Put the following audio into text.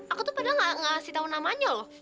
aku tuh padahal nggak kasih tahu namanya loh